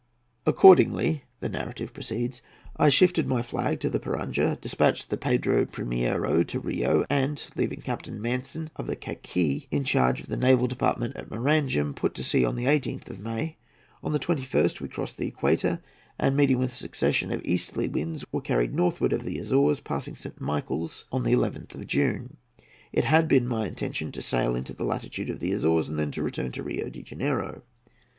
"Accordingly," the narrative proceeds, "I shifted my flag into the Piranga, despatched the Pedro Primiero to Rio, and, leaving Captain Manson, of the Cacique, in charge of the naval department at Maranham, put to sea on the 18th of May. On the 21st we crossed the Equator, and, meeting with a succession of easterly winds, were carried to the northward of the Azores, passing St. Michael's on the 11th of June. It had been my intention to sail into the latitude of the Azores, and then to return to Rio de Janeiro.